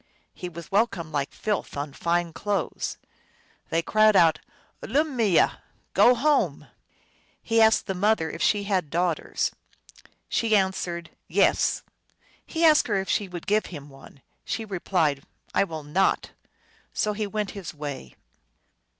He was welcomed like filth on fine clothes. They cried out, " Ulummeye !"" Go home !" He asked the mother if she had daughters. She an swered, " Yes." He asked her if she would give him one. She replied, " I will not." So he went his way.